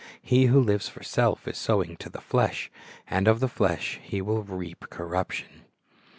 He who lives for self is sowing to the flesh, and of the flesh he will reap corruption.